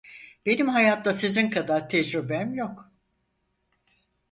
Benim hayatta sizin kadar tecrübem yok.